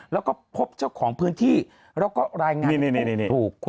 แล้วก็พบเจ้าของพื้นที่แล้วก็รายงานให้พูดถูก